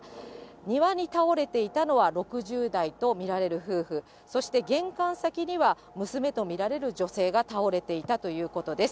庭に倒れていたのは６０代と見られる夫婦、そして玄関先には娘と見られる女性が倒れていたということです。